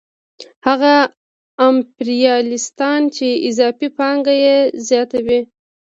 هغه امپریالیستان چې اضافي پانګه یې زیاته وي